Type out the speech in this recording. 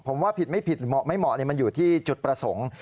ผมว่าผิดไม่ผิดเหมาะไม่เหมาะมันอยู่ที่จุดประสงค์